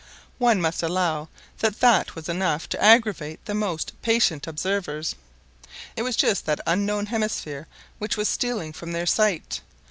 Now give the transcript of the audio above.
One must allow that that was enough to aggravate the most patient observers. It was just that unknown hemisphere which was stealing from their sight.